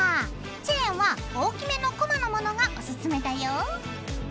チェーンは大きめのコマのものがおすすめだよ。